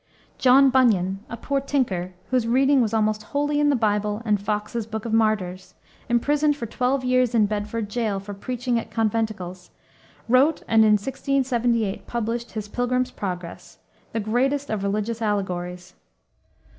John Bunyan, a poor tinker, whose reading was almost wholly in the Bible and Fox's Book of Martyrs, imprisoned for twelve years in Bedford jail for preaching at conventicles, wrote and, in 1678, published his Pilgrim's Progress, the greatest of religious allegories.